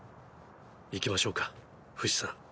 行きましょうかフシさん。